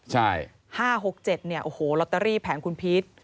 ห้าหกเจ็ดเนี่ยโอ้โหลอตเตอรี่แผงคุณพีช